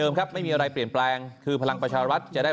ครับไม่มีอะไรเปลี่ยนแปลงคือพลังประชารัฐจะได้